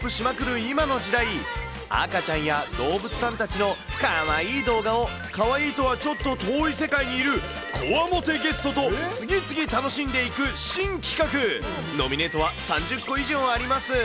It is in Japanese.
今の時代、赤ちゃんや動物さんたちのかわいい動画を、かわいいとはちょっと遠い世界にいる、こわもてゲストと、次々楽しんでいく新企画、ノミネートは３０個以上あります。